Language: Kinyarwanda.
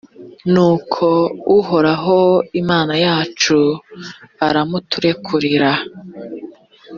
nuko uhoraho imana yacu aramuturekurira